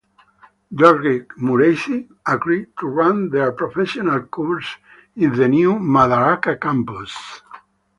Derrick Mureithi agreed to run their professional courses in the new Madaraka campus.